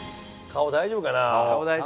顔大丈夫かね？